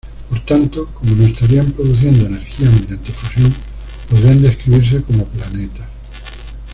Por tanto, como no estarían produciendo energía mediante fusión, podrían describirse como planetas.